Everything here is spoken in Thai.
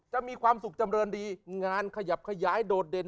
จะมีความสุขจำเรินดีงานขยับขยายโดดเด่น